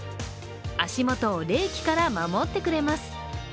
足元を冷気から守ってくれます。